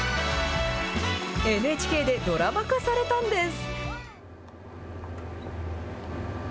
ＮＨＫでドラマ化されたんです。